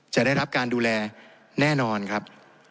จะได้รับการดูแลแน่นอนครับ